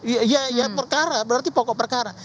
ya ya ya perkara berarti pokok perkara